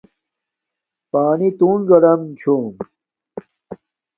پانی تون گاڈم چھوم